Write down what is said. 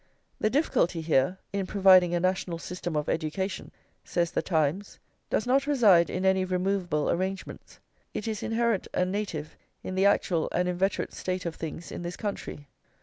"The difficulty here" (in providing a national system of education), says The Times, "does not reside in any removeable arrangements. It is inherent and native in the actual and inveterate state of things in this country.